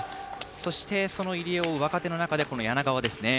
そして、その入江を追う若手の中で柳川ですね。